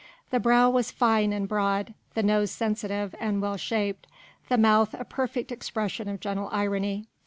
The brow was fine and broad, the nose sensitive and well shaped, the mouth a perfect expression of gentle irony.